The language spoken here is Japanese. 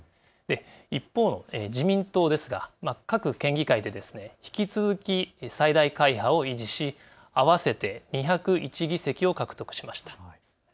一方の自民党ですが各県議会で引き続き最大会派を維持し合わせて２０１議席を獲得しました。